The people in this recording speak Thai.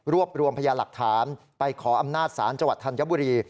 รวมรวมพยานหลักฐานไปขออำนาจศาลจังหวัดธัญบุรี